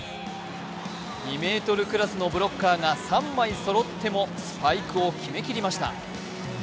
２ｍクラスのブロッカーが三枚そろってもスパイクを決めきりました。